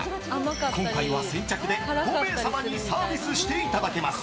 今回は先着で５名様にサービスしていただけます。